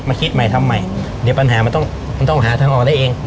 คิดใหม่ทำใหม่เดี๋ยวปัญหามันต้องมันต้องหาทางออกได้เอง